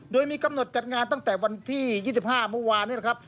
โดยมีกำหนดจัดงานตั้งแต่วันที่๒๕เมื่อวานนี้นะครับ